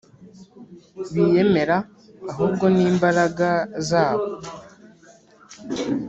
Biyemera ahubwo ni imbaraga zabo